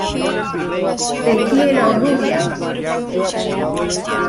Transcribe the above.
te quiero, rubia.